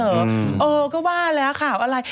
เออก็ว่าแล้วข่าวอะไร